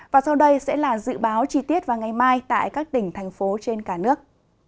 và sau đây sẽ là dự báo chi tiết vào ngày mai tại các tỉnh thành phố trên cả nước